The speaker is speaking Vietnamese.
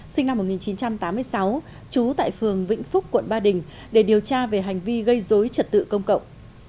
sinh năm một nghìn chín trăm tám mươi sáu trú tại phường vĩnh phúc quận ba đình để điều tra về hành vi gây dối trật tự công cộng